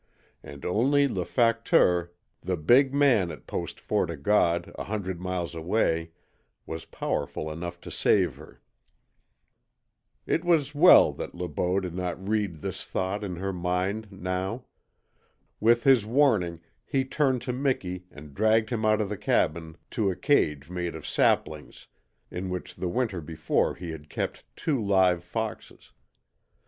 And only LE FACTEUR the Big Man at Post Fort O' God a hundred miles away was powerful enough to save her. It was well that Le Beau did not read this thought in her mind now. With his warning he turned to Miki and dragged him out of the cabin to a cage made of saplings in which the winter before he had kept two live foxes.